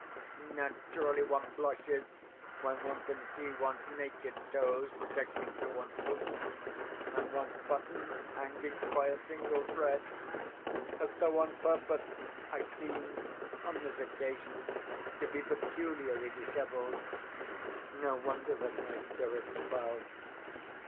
Naturally one blushes when one can see one's naked toes projecting through one's boots, and one's buttons hanging by a single thread! As though on purpose, I seemed, on this occasion, to be peculiarly dishevelled. No wonder that my spirits fell.